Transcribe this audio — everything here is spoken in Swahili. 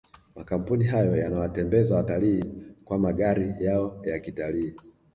makampuni hayo yanawatembeza watalii kwa magari yao ya kitalii